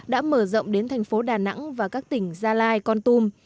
đã mở rộng đến thành phố đà nẵng và các tỉnh gia lai con tum